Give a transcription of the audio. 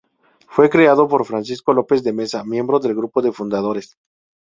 Fue creado por Francisco López de Mesa, miembro del grupo de fundadores.